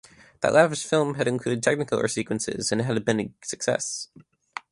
That lavish film had included Technicolor sequences and had been a success.